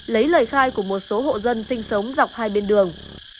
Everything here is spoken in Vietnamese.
lấy lời khai của một số hộ dân sinh sống dọc hai bên đường